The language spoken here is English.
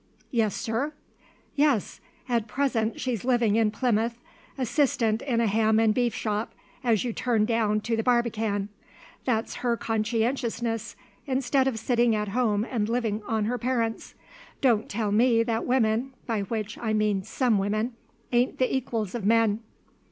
"Yes, sir?" "Yes. At present she's living in Plymouth, assistant in a ham and beef shop, as you turn down to the Barbican. That's her conscientiousness, instead of sitting at home and living on her parents. Don't tell me that women by which I mean some women ain't the equals of men.